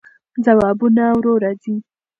ځوابونه ورو راځي.